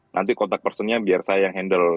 nanti kontak personnya biar saya yang handle